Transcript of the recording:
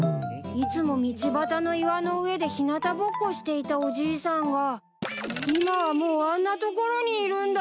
いつも道端の岩の上で日なたぼっこしていたおじいさんが今はもうあんなところにいるんだよ。